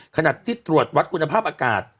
ขนาดที่ตรวจวัตรกุณภาพอากาศ